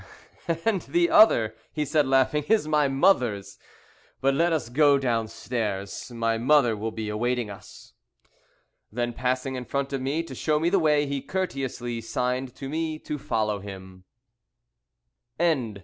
"And the other," he said, laughing, "is my mother's. But let us go downstairs; my mother will be awaiting us." Then passing in front of me to show me the way he courteously signed to me to follow him. CHAPTER V.